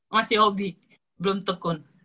masih hobi belum tekun